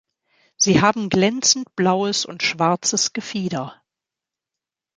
Sie haben glänzend blaues und schwarzes Gefieder.